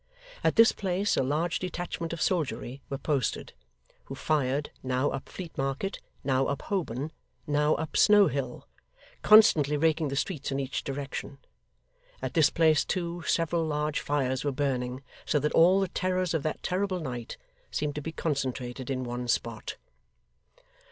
At this place a large detachment of soldiery were posted, who fired, now up Fleet Market, now up Holborn, now up Snow Hill constantly raking the streets in each direction. At this place too, several large fires were burning, so that all the terrors of that terrible night seemed to be concentrated in one spot.